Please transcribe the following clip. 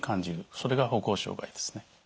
それが歩行障害ですね。